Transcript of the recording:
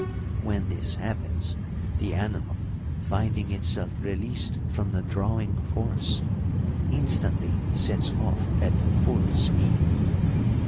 When this happens, the animal, finding itself released from the drawing force, instantly sets off at full speed.